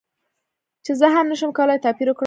چې زه هم نشم کولی توپیر وکړم